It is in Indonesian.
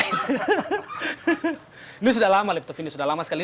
ini sudah lama laptop ini sudah lama sekali